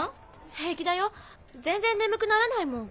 平気だよ全然眠くならないもん。